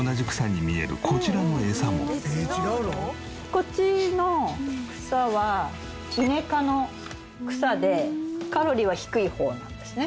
こっちの草はイネ科の草でカロリーは低い方なんですね。